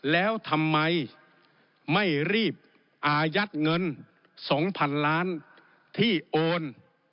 แล้วทำไมไม่รีบอายัดเงิน๒๐๐๐ล้านที่โอน